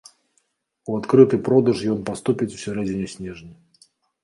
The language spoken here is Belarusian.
У адкрыты продаж ён паступіць у сярэдзіне снежня.